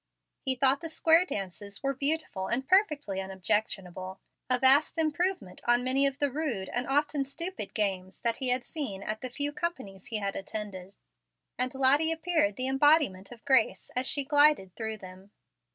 He thought the square dances were beautiful and perfectly unobjectionable, a vast improvement on many of the rude and often stupid games that he had seen at the few companies he had attended, and Lottie appeared the embodiment of grace, as she glided through them.